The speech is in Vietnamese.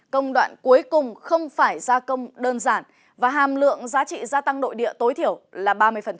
công đoạn cuối cùng không phải gia công đơn giản và hàm lượng giá trị gia tăng nội địa tối thiểu là ba mươi